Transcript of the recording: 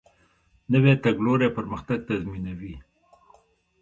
نوی تګلوری پرمختګ تضمینوي